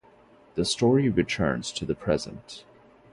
The story returns to the present.